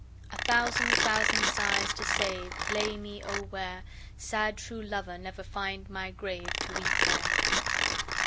A thousand thousand sighs to save, lay me O where Sad true lover never find my grave, to weep there!